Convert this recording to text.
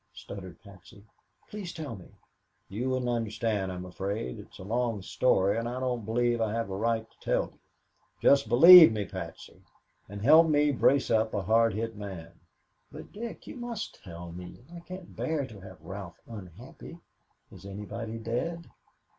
stuttered Patsy. "Please tell me." "You wouldn't understand, I'm afraid. It's a long story, and I don't believe I have a right to tell you. Just believe me, Patsy, and help me brace up a hard hit man." "But, Dick, you must tell me. I can't bear to have Ralph unhappy. Is anybody dead?"